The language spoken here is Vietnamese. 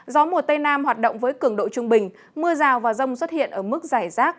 gió mùa tây nam hoạt động với cường độ trung bình mưa rào và rông xuất hiện ở mức giải rác